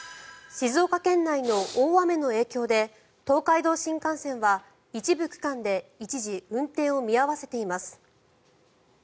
静岡県内の大雨の影響で東海道新幹線は一部区間で一時運転を見合わせています。